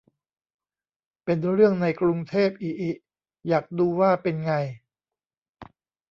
เป็นเรื่องใน กรุงเทพ อิอิ อยากดูว่าเป็นไง